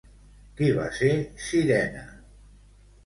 Qui va ser Cirene?